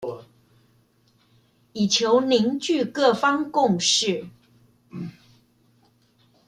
以求凝聚各方共識